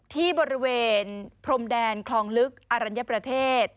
ที่บริเวณพรมแดนคลองลึกอรัญญประเทศ